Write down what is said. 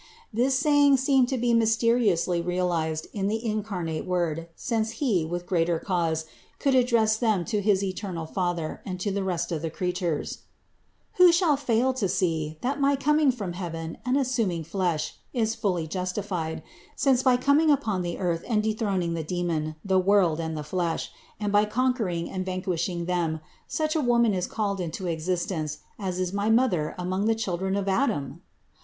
This say ing seemed to be mysteriously realized in the incarnate Word, since He, with greater cause, could address them to his eternal Father and to all the rest of the creatures : "Who shall fail to see, that my coming from heaven and assuming flesh is fully justified, since by coming upon the earth and dethroning the demon, the world and the flesh, and by conquering and vanquishing them, such a Woman THE INCARNATION 461 is called into existence as is my Mother among the chil dren of Adam